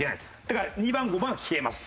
だから２番５番は消えます。